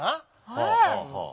はあはあはあ。